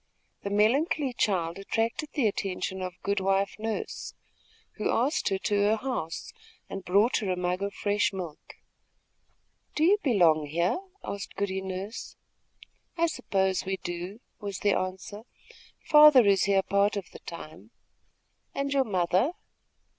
The melancholy child attracted the attention of Good wife Nurse, who asked her to her house and brought her a mug of fresh milk. "Do you belong here?" asked Goody Nurse. "I suppose we do," was the answer. "Father is here part of the time." "And your mother?"